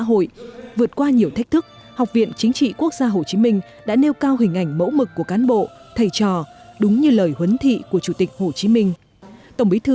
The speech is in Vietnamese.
phát biểu tại lễ kỷ niệm tổng bí thư chủ tịch nước nguyễn phú trọng nhấn mạnh học viện chính trị quốc gia hồ chí minh đã nêu cao hình ảnh mẫu mực của cán bộ thầy trò đúng như lời huấn thị của chủ tịch hồ chí minh